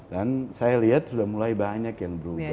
dan saya lihat sudah mulai banyak yang berubah